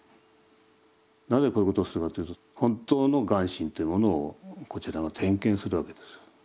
なぜこういうことをするかっていうと本当の願心っていうものをこちらが点検するわけです。